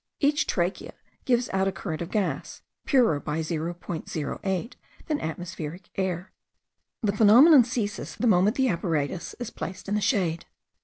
Each trachea gives out a current of gas, purer by 0.08 than atmospheric air. The phenomenon ceases the moment the apparatus is placed in the shade.